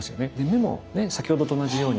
目もね先ほどと同じように。